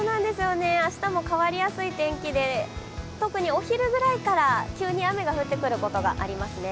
明日も変わりやすい天気で、特にお昼ぐらいから急に雨が降ってくることがありますね。